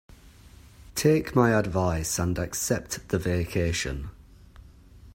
Take my advice and accept the vacation.